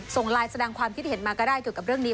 ส่งไลน์แสดงความคิดเห็นมาก็ได้เกี่ยวกับเรื่องนี้